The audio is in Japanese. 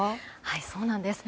そうなんです。